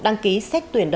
đăng ký xét tuyển đợt một